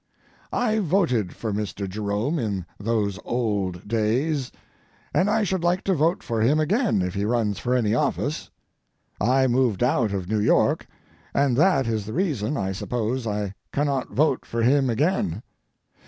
I voted for Mr. Jerome in those old days, and I should like to vote for him again if he runs for any office. I moved out of New York, and that is the reason, I suppose, I cannot vote for him again.